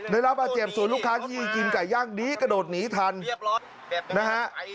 ได้รับบาดเจ็บส่วนลูกค้าที่กินไก่ย่างดีกระโดดหนีทันนะฮะ